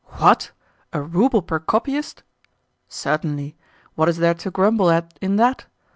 "What? A rouble per copyist?" "Certainly. What is there to grumble at in that?